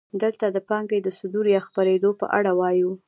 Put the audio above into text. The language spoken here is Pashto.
دلته د پانګې د صدور یا خپرېدو په اړه وایو